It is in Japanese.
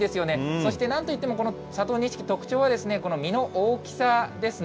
そしてなんといっても、この佐藤錦、特徴はこの実の大きさですね。